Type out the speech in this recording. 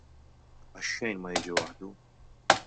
Għax xejn ma jiġi waħdu!